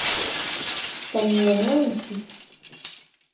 Sen inanıyor musun?